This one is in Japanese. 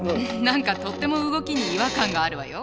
何かとっても動きに違和感があるわよ。